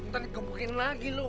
nanti dikepukin lagi lo